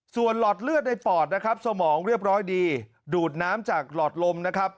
ส่วนหลอดเลือดในปอดนะครับสมองเรียบร้อยดีดูดน้ำจากหลอดลมนะครับ